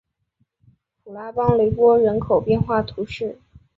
普拉邦雷波人口变化图示